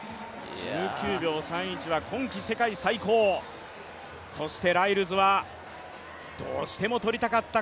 １９秒３１は今季世界最高、そしてライルズは、どうしても取りたかった